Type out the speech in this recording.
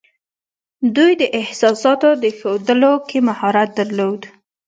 دوی د احساساتو ښودلو کې مهارت درلود